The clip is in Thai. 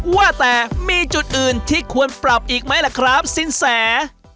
ว่าแต่มีจุดอื่นที่ควรปรับอีกไหมล่ะครับสินแส